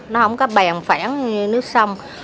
nó không có bèn phẻn như nước sông